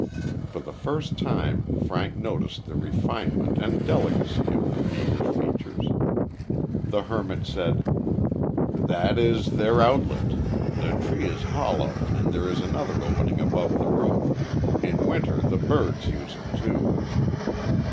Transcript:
For the first time Frank noticed the refinement and delicacy of the meager features. The hermit said: "That is their outlet. The tree is hollow, and there is another opening above the roof. In winter the birds use it, too."